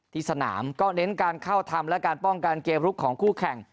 ที่สนามก็เน้นการเข้าทำและการป้องกันเกมลุกของคู่แข่ง